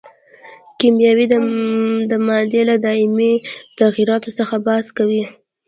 کیمیا د مادې له دایمي تغیراتو څخه بحث کوي.